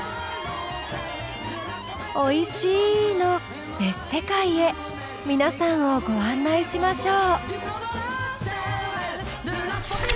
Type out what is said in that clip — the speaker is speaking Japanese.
おいしいの別世界へ皆さんをご案内しましょう。